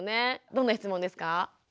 どんな質問ですか？